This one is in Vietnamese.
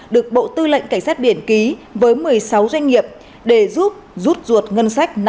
được bộ tư lệnh cảnh sát biển ký với một mươi sáu doanh nghiệp để giúp rút ruột ngân sách